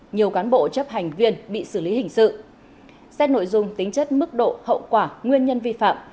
nhiều cán bộ chấp hành viên bị xử lý hình sự xét nội dung tính chất mức độ hậu quả nguyên nhân vi phạm